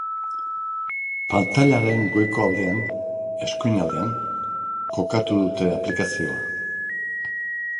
Pantailaren goiko aldean, eskuinaldean, kokatu dute aplikazioa.